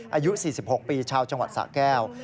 อายุ๔๖ปีชาวจังหวัดสะแก้ว